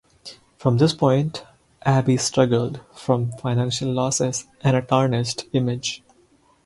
From this point, Abbey struggled from financial losses and a tarnished image.